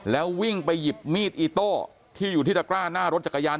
แล้ววิ่งไปหยิบมีดอิโต้ที่อยู่ที่ตะกร้าหน้ารถจักรยาน